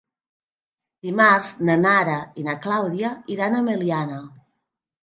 Dimarts na Nara i na Clàudia iran a Meliana.